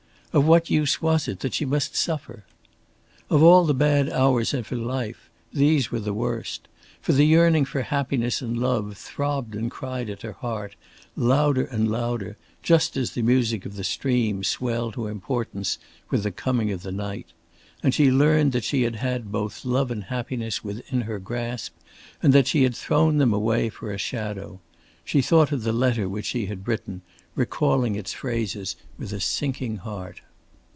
Of what use was it that she must suffer? Of all the bad hours of her life, these were the worst. For the yearning for happiness and love throbbed and cried at her heart, louder and louder, just as the music of the stream swelled to importance with the coming of the night. And she learned that she had had both love and happiness within her grasp and that she had thrown them away for a shadow. She thought of the letter which she had written, recalling its phrases with a sinking heart.